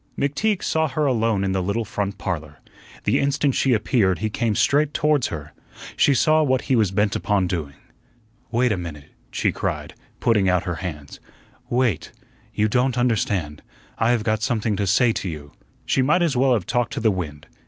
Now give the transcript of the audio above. McTeague saw her alone in the little front parlor. The instant she appeared he came straight towards her. She saw what he was bent upon doing. "Wait a minute," she cried, putting out her hands. "Wait. You don't understand. I have got something to say to you." She might as well have talked to the wind.